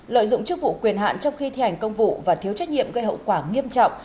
lợi dụng chức vụ quyền hạn trong khi thi hành công vụ và thiếu trách nhiệm gây hậu quả nghiêm trọng